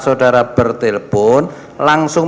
saudara bertelepon langsung